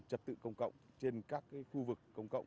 trật tự công cộng trên các khu vực công cộng